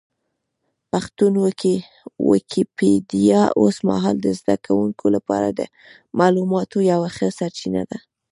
پښتو ويکيپېډيا اوس مهال د زده کوونکو لپاره د معلوماتو یوه ښه سرچینه ده.